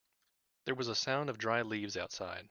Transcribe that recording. There was a sound of dry leaves outside.